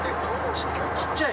ちっちゃい。